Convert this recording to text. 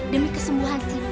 demi kesembuhan sifah